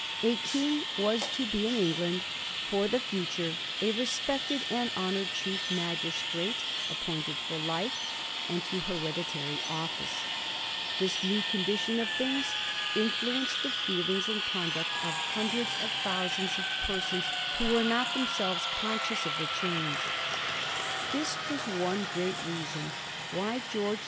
A King was to be in England for the future a respected and honoured chief magistrate appointed for life and to hereditary office. This new condition of things influenced the feelings and conduct of hundreds of thousands of persons who were not themselves conscious of the change.